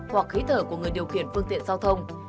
hoặc khí thở của người điều khiển phương tiện giao thông